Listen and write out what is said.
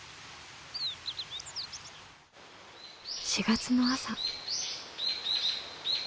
４月の朝。